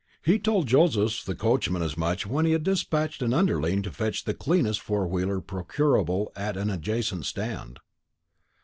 He told Josephs the coachman as much when he had dispatched an underling to fetch the cleanest four wheeler procurable at an adjacent stand.